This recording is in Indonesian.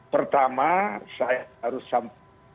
pertama saya harus sampai